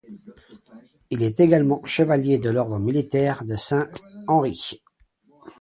Il est également chevalier de l'ordre militaire de Saint-Henri.